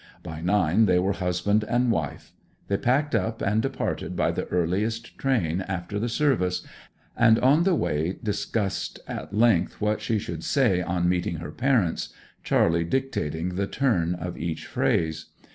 By nine they were husband and wife. They packed up and departed by the earliest train after the service; and on the way discussed at length what she should say on meeting her parents, Charley dictating the turn of each phrase.